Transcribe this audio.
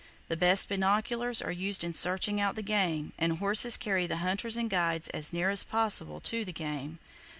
The best binoculars are used in searching out the game, and horses carry the hunters and guides as near as possible to the game.